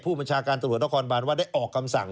ผู้บัญชาการตำรวจนครบานว่าได้ออกคำสั่ง